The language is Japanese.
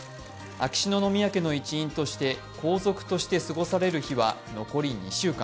秋篠宮家の一員として、皇族として過ごされる日は残り２週間。